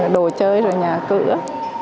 đồ chơi rồi nhà cửa